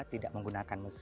tidak menggunakan mesin